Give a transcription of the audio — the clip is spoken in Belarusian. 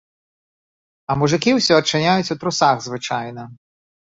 А мужыкі ўсё адчыняюць у трусах звычайна.